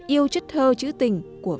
yêu chất thơ chữ tình của văn ký